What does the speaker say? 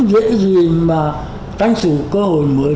và tranh sử cơ hội mới